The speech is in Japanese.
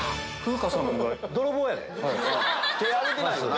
手挙げてないよな。